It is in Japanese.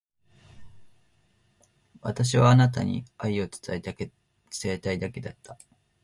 私はあなたに愛を伝えたいだけだった。